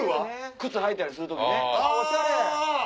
靴履いたりする時ね。